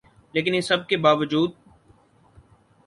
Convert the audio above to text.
لیکن اس سب کے باوجود